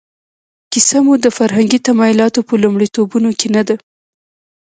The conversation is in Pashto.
کیسه مو د فرهنګي تمایلاتو په لومړیتوبونو کې نه ده.